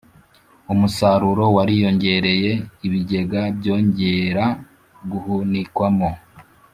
umusaruro wariyongereye, ibigega byongera guhunikwamo